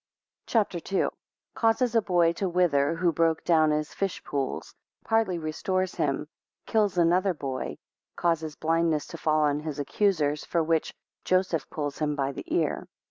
CHAPTER II. 2 Causes a boy to wither who broke down his fish pools; 6 Partly restores him. 7 Kills another boy. 16 causes blindness to fall on his accusers, 18 for which, Joseph pulls him by the ear.